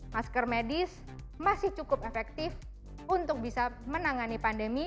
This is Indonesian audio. masker medis masih cukup efektif untuk bisa menangani pandemi